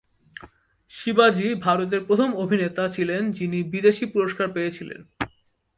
শিবাজি ভারতের প্রথম অভিনেতা ছিলেন যিনি বিদেশী পুরস্কার পেয়েছিলেন।